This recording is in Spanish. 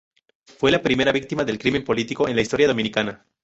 Fue la primera víctima del crimen político en la historia dominicana.